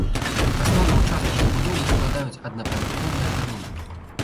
Асноўную частку забудовы складаюць аднапавярховыя дамы.